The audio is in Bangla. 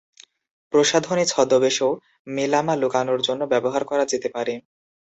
প্রসাধনী ছদ্মবেশও মেলামা লুকানোর জন্য ব্যবহার করা যেতে পারে।